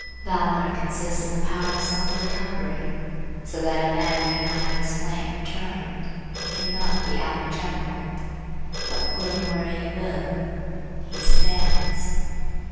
Valor consists in the power of self recovery, so that a man cannot have his flank turned, cannot be out generalled, but put him where you will, he stands.